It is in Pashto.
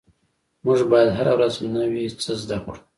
مونږ باید هره ورځ نوي څه زده کړو